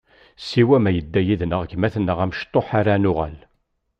Siwa ma yedda yid-nneɣ gma-tneɣ amecṭuḥ ara nuɣal.